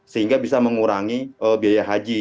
sehingga bisa mengurangi biaya haji